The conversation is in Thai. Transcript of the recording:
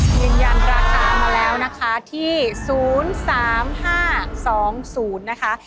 ยืนยันราคามาแล้วนะคะที่๐๓๕๒๐นะคะ